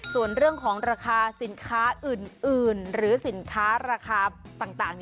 ส่วนเรื่องของราคาสินค้าอื่นหรือสินค้าราคาต่าง